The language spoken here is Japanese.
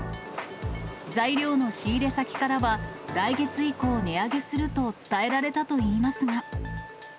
材料の仕入れ先からは、来月以降、値上げすると伝えられたといいますが。